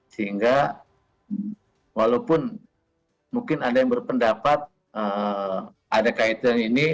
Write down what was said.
sehingga walaupun mungkin ada yang berpendapat ada kaitan ini